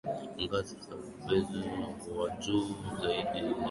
ngazi za ubobezi wa juu zaidi Alijiunga na Chuo Kikuu cha Mzumbe kampasi ya